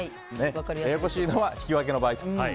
ややこしいのは引き分けの場合。